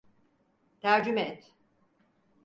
Tercüme et.